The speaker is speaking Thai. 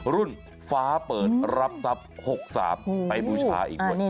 รุ่นฟ้าเปิดรับทรัพย์๖๓ไปบูชาอีก